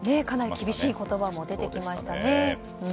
かなり厳しい言葉も出てきましたね。